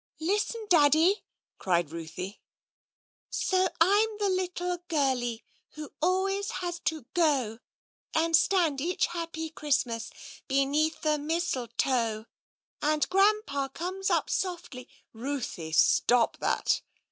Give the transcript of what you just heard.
" Listen, Daddy !" cried Ruthie :*' So I'm the little girlie who always has to go And stand each happy Giristmas beneath the mistle^o^. And Grandpa comes up softly " Ruthie! Stop that."